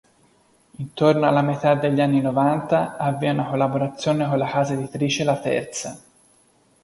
Intorno alla metà degli anni Novanta avvia una collaborazione con la casa editrice Laterza.